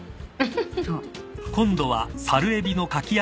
・そう。